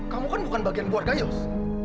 kamu kan bukan bagian keluarga yos